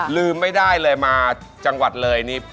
ลืมไม่ได้เลยมาจังหวัดเลยนี่